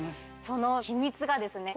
その秘密がですね